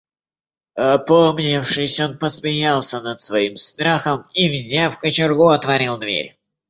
Опомнившись, он посмеялся над своим страхом и, взяв кочергу, отворил дверь.